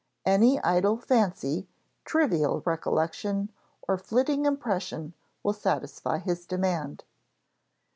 Any idle fancy, trivial recollection, or flitting impression will satisfy his demand.